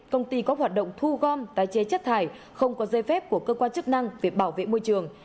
công ty có hoạt động thu gom tái chế chất thải không có dây phép của cơ quan chức năng về bảo vệ môi trường